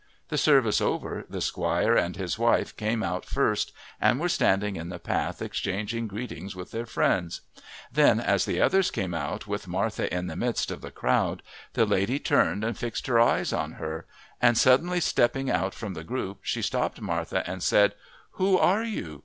The service over, the squire and his wife came out first and were standing in the path exchanging greetings with their friends; then as the others came out with Martha in the midst of the crowd the lady turned and fixed her eyes on her, and suddenly stepping out from the group she stopped Martha and said, "Who are you?